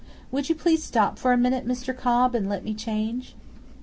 Would you please stop a minute, Mr. Cobb, and let me change?"